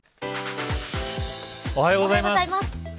おはようございます。